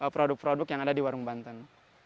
produk produk yang ada di warung banten